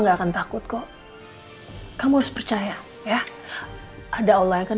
saya bersedia ikut bapak untuk menjalani pemeriksaan